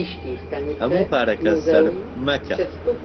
هەموو پارەکە سەرف مەکە.